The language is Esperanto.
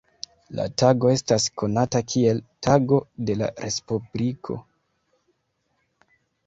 La tago estas konata kiel "Tago de la Respubliko".